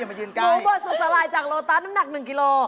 และถุกนะคะนะฮะมาดูจุดสลายจากโลตัสน้ำหนัก๑กิโล